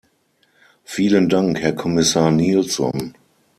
Vielen Dank, Herr Kommissar Nielson.